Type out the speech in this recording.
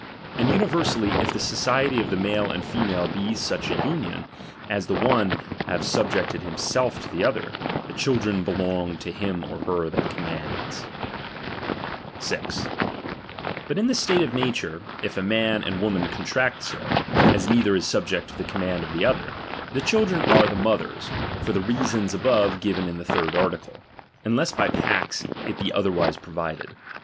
And universally, if the society of the male and female be such an union, as the one have subjected himself to the other, the children belong to him or her that commands. iQ such a eon (J, fiut lu the State of nature, if a man and uid fem»i«, M woman contract so, as neither is subject to the ^i^ding " command of the other, the children are the mo DtiC'^tbrewu tber's, for the reasons above given in the third dren m ihe article , uuless bv pacts it be otherwise provided.